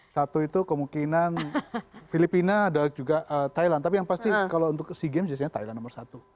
satu itu kemungkinan filipina ada juga thailand tapi yang pasti kalau untuk sea games biasanya thailand nomor satu